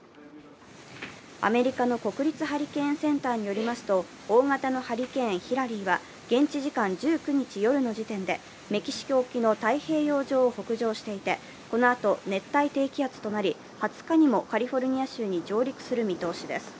アメリカの国立ハリケーンセンターによりますと大型のハリケーン・ヒラリーは現地時間１９日夜の時点でメキシコ沖の太平洋上を北上していて、このあと熱帯低気圧となり、２０日にもカリフォルニア州に上陸する見通しです。